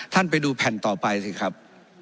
ท่านไปดูแผ่นต่อไปสิครับ